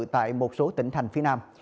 tại một số tỉnh thành phía nam